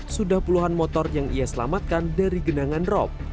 sudah puluhan motor yang ia selamatkan dari genangan rop